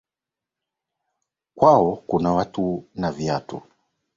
Kwao kuna watu na viatu